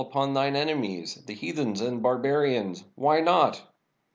upon Thine enemies, the heathens and barbarians? Why not?"